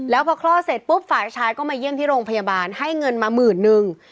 แล้วพอคลอดเสร็จปุ๊บฝ่ายชายก็มาเยี่ยมที่โรงพยาบาลให้เงินมาหมื่นนึง